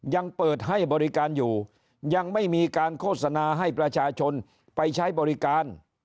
ยังเปิดให้บริการอยู่ยังไม่มีการโฆษณาให้ประชาชนไปใช้บริการ